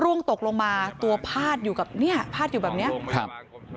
ร่วงตกลงมาตัวพาดอยู่กับเนี่ยพาดอยู่แบบเนี้ยครับ